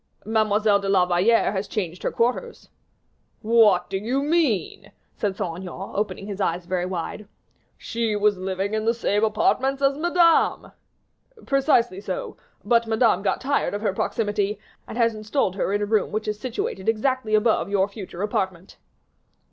"Mademoiselle de la Valliere has changed her quarters." "What do you mean?" said Saint Aignan, opening his eyes very wide. "She was living in the same apartments as Madame." "Precisely so; but Madame got tired of her proximity, and has installed her in a room which is situated exactly above your future apartment."